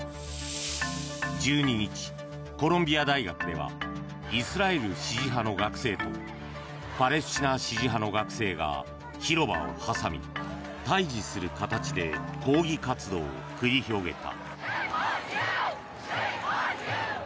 １２日、コロンビア大学ではイスラエル支持派の学生とパレスチナ支持派の学生が広場を挟み、対峙する形で抗議活動を繰り広げた。